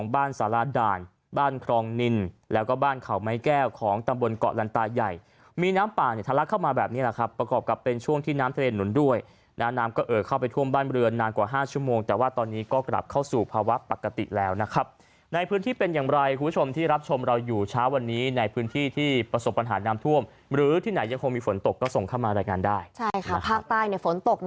บ้านครองนินแล้วก็บ้านเข่าไม้แก้วของตำบลเกาะลันตาใหญ่มีน้ำป่าเนี่ยทะเลาะเข้ามาแบบนี้นะครับประกอบกับเป็นช่วงที่น้ำทะเลหนุนด้วยและน้ำก็เอ่อเข้าไปท่วมบ้านเรือนนานกว่า๕ชั่วโมงแต่ว่าตอนนี้ก็กลับเข้าสู่ภาวะปกติแล้วนะครับในพื้นที่เป็นอย่างไรคุณชมที่รับชมเราอยู่เช้าวันนี้ในพื้นที่